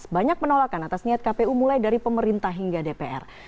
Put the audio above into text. banyak penolakan atas niat kpu mulai dari pemerintah hingga dpr